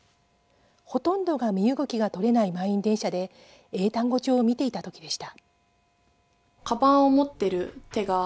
ほとんどが身動きが取れない満員電車で英単語帳を見ていた時でした。